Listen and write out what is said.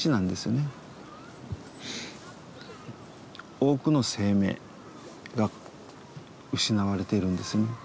多くの生命が失われているんですね。